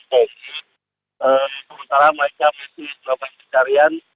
kita masih dalam pencarian